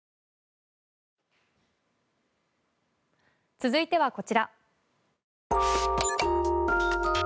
続いてはこちら。